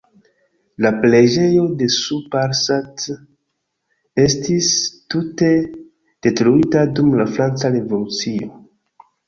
La preĝejo de Sous-Parsat estis tute detruita dum la franca revolucio.